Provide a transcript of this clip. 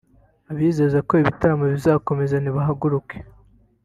abizeza ko ibitaramo bizakomeza nibagaruka